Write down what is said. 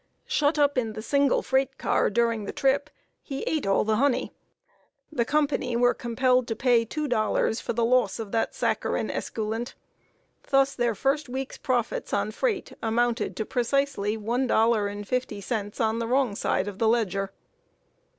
Shut up in the single freight car, during the trip, he ate all the honey! The company were compelled to pay two dollars for the loss of that saccharine esculent. Thus their first week's profits on freight amounted to precisely one dollar and fifty cents on the wrong side of the ledger.